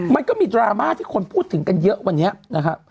มันก็มีดราม่าที่คนพูดถึงกันเยอะวันนี้นะครับ